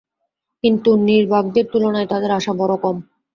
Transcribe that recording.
কিন্তু নির্বাকদের তুলনায় তাঁদের আশা বড় কম।